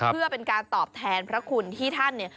เพื่อเป็นการตอบแทนพระคุณที่ท่านเนี่ย